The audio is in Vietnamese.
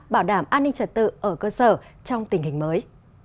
bảo đảm an ninh trật tự ở cơ sở trong tình hình mới